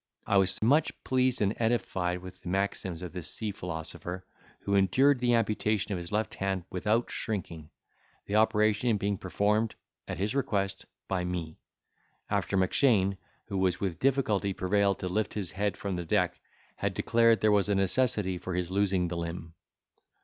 I was much pleased and edified with the maxims of this sea philosopher, who endured the amputation of his left hand without shrinking, the operation being performed (at his request) by me, after Mackshane, who was with difficulty prevailed to lift his head from the deck, had declared there was a necessity for his losing the limb.